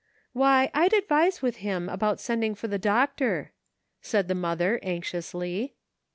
"Why, I'd advise with him about sending for the doctor," said the mother anxiously.